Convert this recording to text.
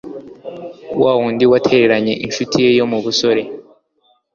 wa wundi watereranye incuti ye yo mu busore